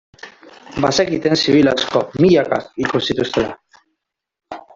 Bazekiten zibil asko, milaka, hilko zituztela.